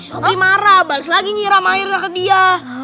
sopi marah bales lagi nyiram airnya ke dia